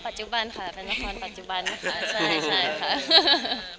ปัจจุบันค่ะเป็นราคอนปัจจุบันค่ะใช่ค่ะ